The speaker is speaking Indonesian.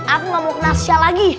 aku gak mau kena sial lagi